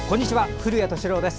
古谷敏郎です。